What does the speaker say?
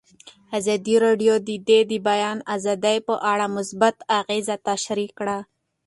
ازادي راډیو د د بیان آزادي په اړه مثبت اغېزې تشریح کړي.